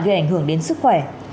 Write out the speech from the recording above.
gây ảnh hưởng đến sức khỏe